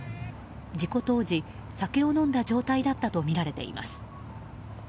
事故当時、酒を飲んだ状態だったとみられています。